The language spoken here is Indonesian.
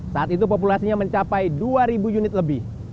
saat itu populasinya mencapai dua ribu unit lebih